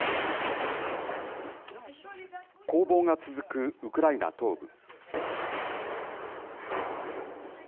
攻防が続くウクライナ東部。